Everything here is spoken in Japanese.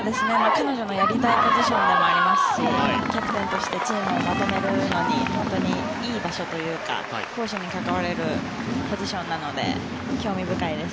彼女のやりたいポジションにもなりますしキャプテンとしてチームをまとめるのにいい場所というか攻守に関われるポジションなので興味深いです。